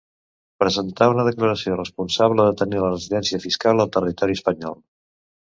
Presentar una declaració responsable de tenir la residència fiscal al territori espanyol.